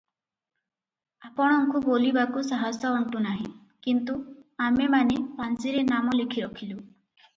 ଆପଣଙ୍କୁ ବୋଲିବାକୁ ସାହସ ଅଣ୍ଟୁନାହିଁ, କିନ୍ତୁ ଆମେମାନେ ପାଞ୍ଜିରେ ନାମ ଲେଖିରଖିଲୁ ।